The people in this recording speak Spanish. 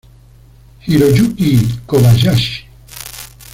Hiroyuki Kobayashi